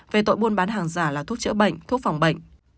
về tội buôn bán hàng giả là thuốc chữa bệnh thuốc phòng bệnh